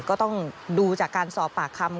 ก็ต้องดูจากการสอบปากคำ